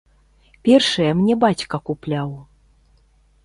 Першыя мне бацька купляў.